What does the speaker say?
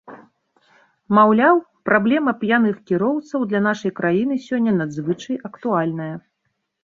Маўляў, праблема п'яных кіроўцаў для нашай краіны сёння надзвычай актуальная.